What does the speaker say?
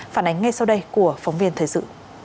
phản ánh ngay sau đây của phóng viên thời sự